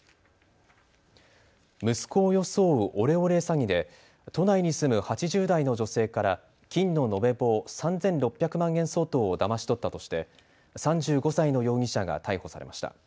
息子を装うオレオレ詐欺で都内に住む８０代の女性から金の延べ棒３６００万円相当をだまし取ったとして３５歳の容疑者が逮捕されました。